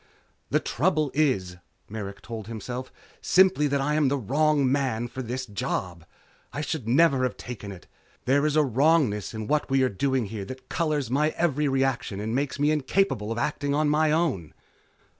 The trouble is, Merrick told himself, _simply that I am the wrong man for this job. I should never have taken it. There's a wrongness in what we are doing here that colors my every reaction and makes me incapable of acting on my own.